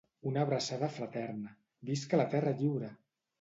Una abraçada fraterna, visca la terra lliure!